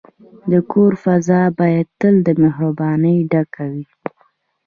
د کور فضا باید تل د مهربانۍ ډکه وي.